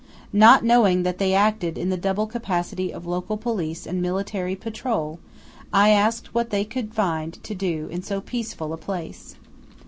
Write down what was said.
Not knowing that they acted in the double capacity of local police and military patrol, I asked what they could find to do in so peaceful a place.